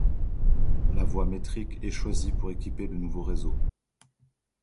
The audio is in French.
La voie métrique est choisie pour équiper le nouveau réseau.